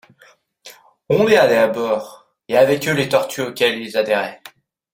On les halait à bord, et avec eux les tortues auxquelles ils adhéraient.